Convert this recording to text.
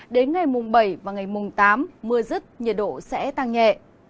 đến ngày mùng bảy và ngày mùng tám mưa rứt nhiệt độ sẽ tăng nhẹ